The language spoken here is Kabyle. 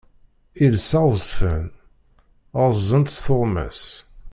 Iles aɣezfan, ɣeẓẓent-tt tuɣmas.